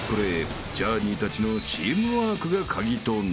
［ジャーニーたちのチームワークが鍵となる］